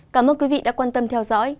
cảm ơn quý vị đã quan tâm theo dõi